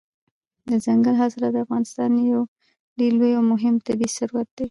دځنګل حاصلات د افغانستان یو ډېر لوی او مهم طبعي ثروت دی.